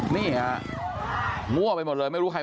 เนี่ยมั่วไปหมดเลยไมรู้ใครน่ะ